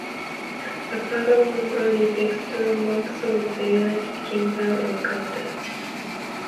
The "Pergamon" added extra maps of the United Kingdom and Canada.